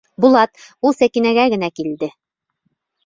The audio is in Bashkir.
Булат, ул Сәкинәгә генә килде!